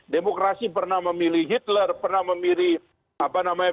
demokrasi pernah memilih hitler pernah memilih apa namanya